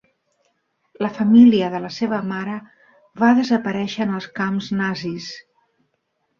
La família de la seva mare va desaparèixer en els camps nazis.